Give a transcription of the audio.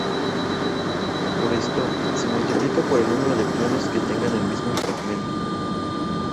Por esto, se multiplica por el número de clones que tengan el mismo fragmento.